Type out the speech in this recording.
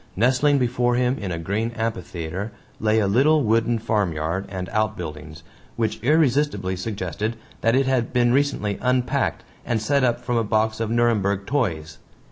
Nestling before him in a green amphitheater lay a little wooden farm yard and outbuildings, which irresistibly suggested that it had been recently unpacked and set up from a box of Nuremberg toys.